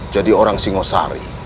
jadi orang singosari